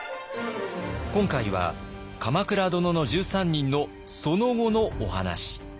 今回は「鎌倉殿の１３人」のその後のお話。